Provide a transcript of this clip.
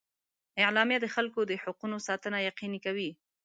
اعلامیه د خلکو د حقونو ساتنه یقیني کوي.